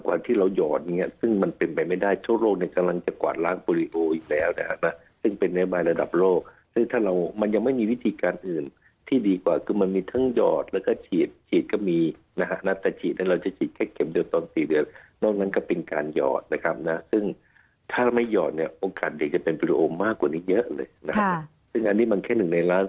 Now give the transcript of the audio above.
กว่าที่เราหยอดเนี่ยซึ่งมันเป็นไปไม่ได้โชคโรคเนี่ยกำลังจะกวาดล้างปุริโออีกแล้วนะครับนะซึ่งเป็นระดับโรคซึ่งถ้าเรามันยังไม่มีวิธีการอื่นที่ดีกว่าก็มันมีทั้งหยอดแล้วก็ฉีดฉีดก็มีนะฮะนักฉีดแล้วเราจะฉีดแค่เก็บเจ้าตอนสี่เดือนนอกนั้นก็เป็นการหยอดนะครับนะซึ่งถ้าไม่หยอดเนี่ย